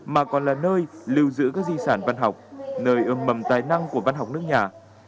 mà còn là nơi lưu giữ các di sản văn học nơi ươm mầm tài năng của văn học nước nhà